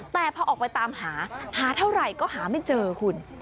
แต่พอออกไปตามหาหาเท่าไหร่ก็หาไม่เจอคุณ